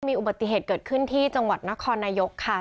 มีอุบัติเหตุเกิดขึ้นที่จังหวัดนครนายกค่ะ